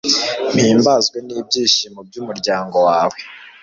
mpimbazwe n'ibyishimo by'umuryango wawe